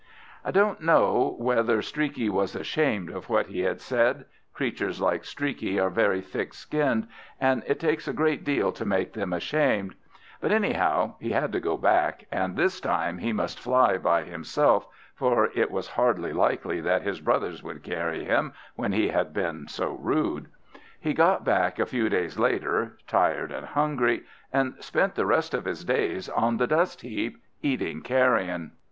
I don't know whether Streaky was ashamed of what he had said; creatures like Streaky are very thick skinned, and it takes a great deal to make them ashamed; but anyhow he had to go back, and this time he must fly by himself, for it was hardly likely that his brothers would carry him when he had been so rude. He got back a few days later, tired and hungry, and spent the rest of his days on the dust heap, eating carrion.